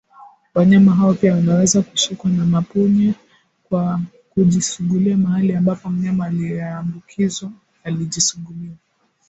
Wanyama hao pia wanaweza kushikwa na mapunye kwa kujisugulia mahali ambapo mnyama aliyeambukizwa alijisugulia